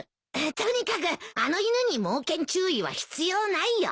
とにかくあの犬に「猛犬注意」は必要ないよ。